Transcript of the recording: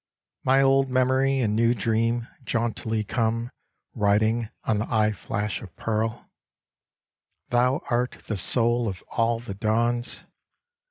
My old memory and new dream jauntily come Riding on thy eye flash of pearl : Thou art the soul of all the dawns.